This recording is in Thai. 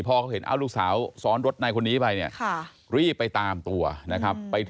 พ่อเขาเห็นลูกสาวซ้อนรถในคนนี้ไป